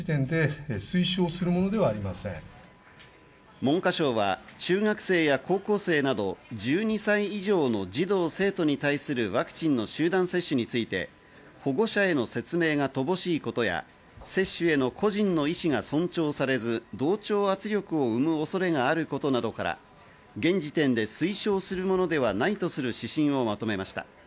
文科省は中学生や高校生など１２歳以上の児童・生徒に対するワクチンの集団接種について、保護者への説明が乏しいことや接種への個人の意思が尊重されず、同調圧力を生む恐れがあることなどから、現時点で推奨するものではないとする指針をまとめました。